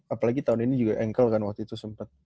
apalagi tahun ini juga engkel kan waktu itu sempet